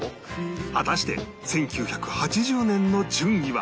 果たして１９８０年の順位は？